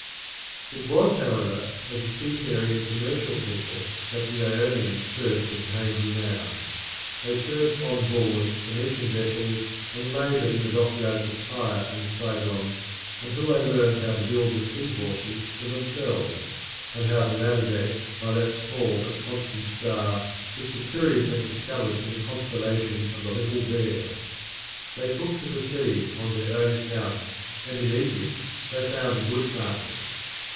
It was, however, as a seafaring and commercial people that the Ionians first obtained renown. They served on board Phoenician vessels and laboured in the dockyards of Tyre and Sidon until they learnt how to build the "sea horses" for themselves, and how to navigate by that small but constant star which the Tyrians had discovered in the constellation of the Little Bear. They took to the sea on their own account, and in Egypt they found a good market.